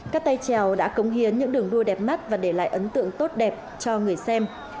các tay trèo đã cống hiến những đường đua đẹp mắt và để lại ấn tượng tốt đẹp cho người xem